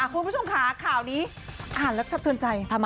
คุณผู้ชมค่ะข่าวนี้อ่านแล้วสะเทือนใจ